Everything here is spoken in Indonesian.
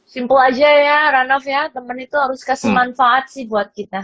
simple aja ya ranof ya temen itu harus kasih manfaat sih buat kita